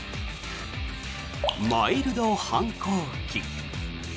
マイルド反抗期。